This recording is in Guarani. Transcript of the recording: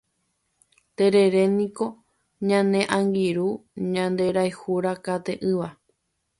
Tereréniko ñane angirũ ñanderayhurakate'ỹva.